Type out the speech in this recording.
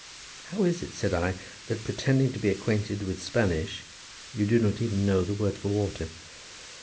"How is it," said I, "that, pretending to be acquainted with Spanish, you do not even know the word for water?"